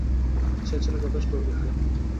সে ছিল যথেষ্ট অভিজ্ঞ।